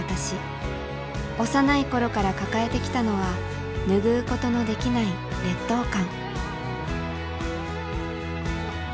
幼い頃から抱えてきたのは拭うことのできない「劣等感」。